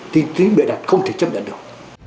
tính bịa đặt không thể chấp nhận được